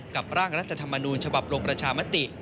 ร่างรัฐธรรมนูญฉบับลงประชามติ